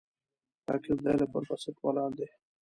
راکټ د علم پر بنسټ ولاړ دی